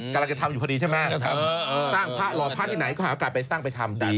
กำลังจะทำอยู่พอดีใช่ไหมสร้างพระรอพระที่ไหนก็หาโอกาสไปสร้างไปทำ